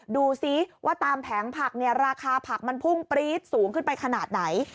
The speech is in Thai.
ดูซิว่าตามแผงผักเนี่ยราคาผักมันพุ่งปรี๊ดสูงขึ้นไปขนาดไหน